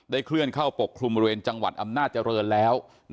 เคลื่อนเข้าปกคลุมบริเวณจังหวัดอำนาจเจริญแล้ว